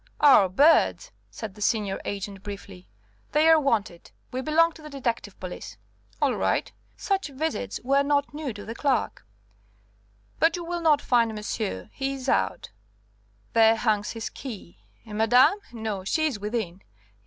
"Our birds," said the senior agent, briefly. "They are wanted. We belong to the detective police." "All right." Such visits were not new to the clerk. "But you will not find monsieur; he is out; there hangs his key. Madame? No, she is within.